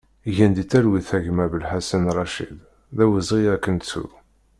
Gen di talwit a gma Bellaḥsen Racid, d awezɣi ad k-nettu!